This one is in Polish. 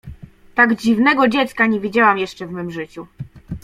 — Tak dziwnego dziecka nie widziałam jeszcze w mym życiu.